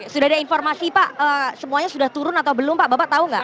sudah ada informasi pak semuanya sudah turun atau belum pak bapak tahu nggak